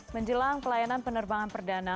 menjelang pelayanan penerbangan perdana